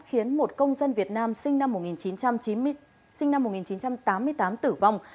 khiến một công dân việt nam sinh năm một nghìn chín trăm tám mươi tám tử vong